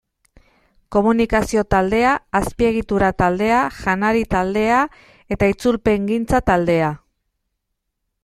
Komunikazio taldea, Azpiegitura taldea, Janari taldea eta Itzulpengintza taldea.